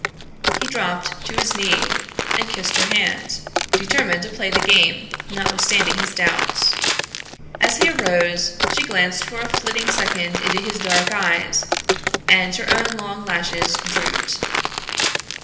He dropped to his knee and kissed her hand, determined to play the game, notwithstanding his doubts. As he arose she glanced for a flitting second into his dark eyes, and her own long lashes drooped.